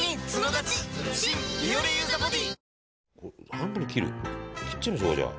半分に切る？切っちゃいましょうか、じゃあ。